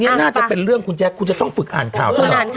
โอ้โหผู้ชอบเป็นเรื่องของเรา